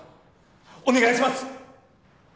お願いします。